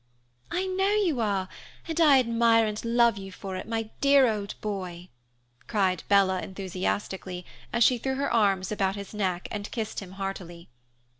"I know you are, and I admire and love you for it, my dear old boy," cried Bella enthusiastically, as she threw her arms about his neck and kissed him heartily.